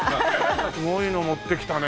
すごいの持ってきたね。